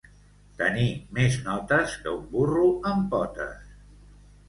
Tenir més notes que un burro amb potes.